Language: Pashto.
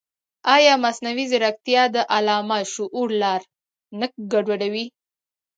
ایا مصنوعي ځیرکتیا د عامه شعور لار نه ګډوډوي؟